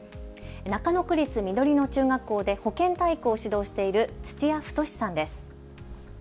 中野区立緑野中学校で保健体育を指導している土屋太志さんです。